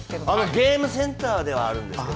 ゲームセンターではあるんですけど。